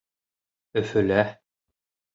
Өфөлә.